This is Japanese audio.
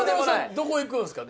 どこ行くんですか？